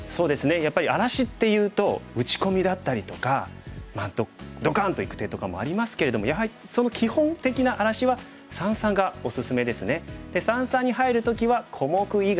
やっぱり荒らしっていうと打ち込みだったりとかドカンといく手とかもありますけれどもやはりそので三々に入る時は小目以外。